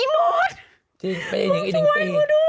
ลองนะ